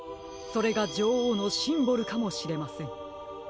それがじょおうのシンボルかもしれません。